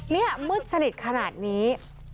นี่มืดสนิทขนาดนี้